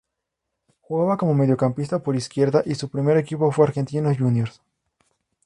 Jugaba como mediocampista por izquierda y su primer equipo fue Argentinos Juniors.